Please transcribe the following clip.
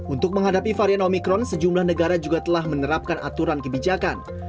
untuk menghadapi varian omikron sejumlah negara juga telah menerapkan aturan kebijakan